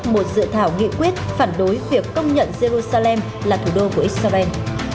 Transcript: một dự thảo nghị quyết phản đối việc công nhận jerusalem là thủ đô của israel